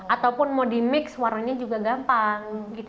ataupun mau di mix warnanya juga gampang